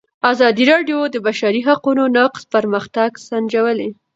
ازادي راډیو د د بشري حقونو نقض پرمختګ سنجولی.